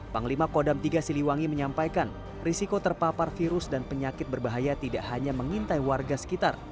panglima kodam tiga siliwangi menyampaikan risiko terpapar virus dan penyakit berbahaya tidak hanya mengintai warga sekitar